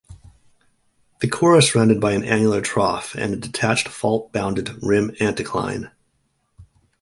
The core is surrounded by an annular trough and a detached fault-bounded rim anticline.